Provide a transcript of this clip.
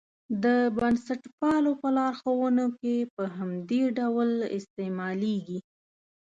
د بنسټپالو په لارښوونو کې په همدې ډول استعمالېږي.